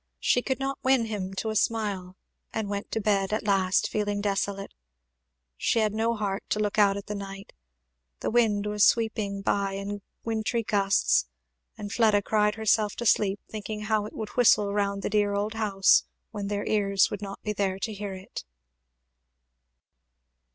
She could not win him to a smile, and went to bed at last feeling desolate. She had no heart to look out at the night. The wind was sweeping by in wintry gusts; and Fleda cried herself to sleep thinking how it would whistle round the dear old house when their ears would not be there to hear it.